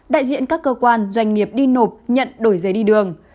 đại diện các cơ quan doanh nghiệp đi nộp nhận đổi giấy đi đường